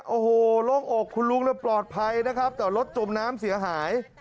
โอ้โหโล่งอกคุณลุงปลอดภัยนะครับแต่รถจมน้ำเสียหาย